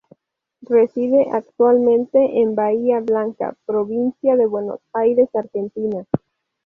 Reside actualmente en Bahía Blanca, Provincia de Buenos Aires, Argentina.